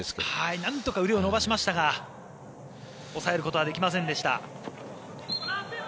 なんとか腕を伸ばしましたが抑えることはできませんでした。